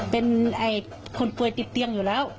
เป็นคนป่วยติดเตียงอยู่แล้ว